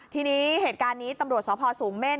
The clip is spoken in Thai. ทีนี้เหตุการณ์นี้ตำรวจสพสูงเม่น